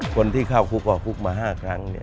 คนที่เข้าคุกกับคุกมา๕ครั้ง